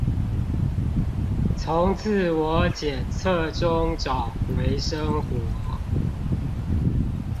從自我檢測中找回生活